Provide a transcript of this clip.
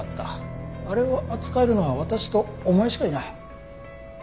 あれを扱えるのは私とお前しかいない。